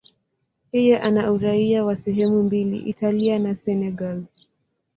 Yeye ana uraia wa sehemu mbili, Italia na Senegal.